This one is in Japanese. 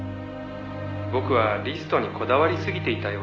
「僕はリストにこだわりすぎていたようです」